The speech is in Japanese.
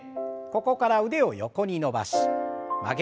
ここから腕を横に伸ばし曲げて。